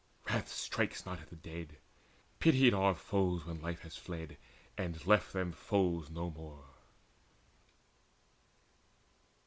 Wrath strikes not at the dead: pitied are foes When life has fled, and left them foes no more.